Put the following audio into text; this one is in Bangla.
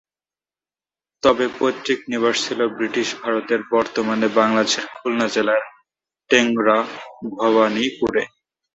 তবে পৈতৃক নিবাস ছিল বৃটিশ ভারতের বর্তমানে বাংলাদেশের খুলনা জেলার টেংরা-ভবানীপুরে।